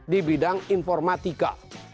di bidang informatika